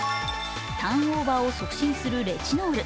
ターンオーバーを促進するレチノール。